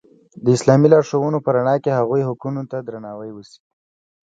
د اسلامي لارښوونو په رڼا کې هغوی حقونو ته درناوی وشي.